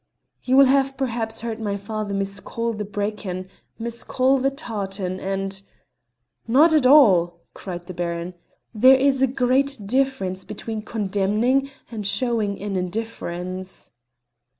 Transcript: "You will have perhaps heard my father miscall the breacan, miscall the tartan, and " "Not at all," cried the Baron. "There is a great difference between condemning and showing an indifference."